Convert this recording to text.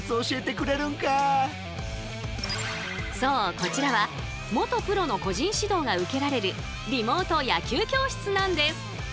こちらは元プロの個人指導が受けられるリモート野球教室なんです！